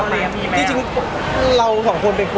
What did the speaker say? ไม่ได้เจอในคุณหรอก